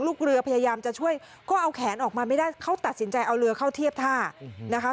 ลูกเรือพยายามจะช่วยก็เอาแขนออกมาไม่ได้เขาตัดสินใจเอาเรือเข้าเทียบท่านะคะ